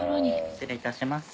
失礼いたします。